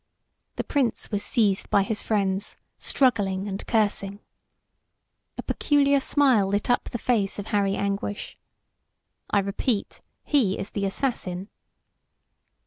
The Prince was seized by his friends, struggling and cursing. A peculiar smile lit up the face of Harry Anguish. "I repeat, he is the assassin!"